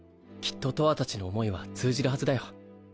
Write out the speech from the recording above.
きっととわ達の想いは通じるはずだよ。